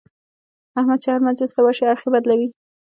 احمد چې هر مجلس ته ورشي اړخ یې بدلوي.